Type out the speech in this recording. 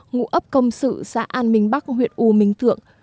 ngụ ấp công sự xã an minh bắc huyện u minh thượng